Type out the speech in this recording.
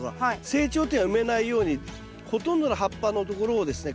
成長点は埋めないようにほとんどの葉っぱのところをですね